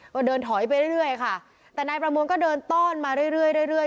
ก็เดินถอยไปเรื่อยค่ะแต่นายประมวลก็เดินต้อนมาเรื่อยเรื่อย